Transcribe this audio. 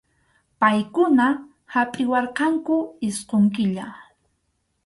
Paykuna hapʼiwarqanku isqun killa.